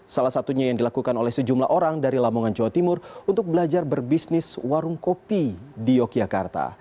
salah satunya yang dilakukan oleh sejumlah orang dari lamongan jawa timur untuk belajar berbisnis warung kopi di yogyakarta